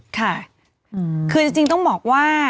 ค่ะคือจริงต้องบอกว่า